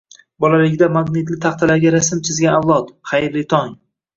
Bolaligida magnitli taxtalarga rasm chizgan avlod, xayrli tong!